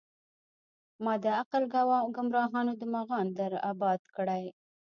مــــــــا د عـــــــقل ګــــمراهانو د مغان در اباد کړی